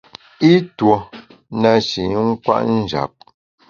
I tuo na shi i nkwet njap.